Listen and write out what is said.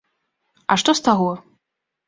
А што з таго?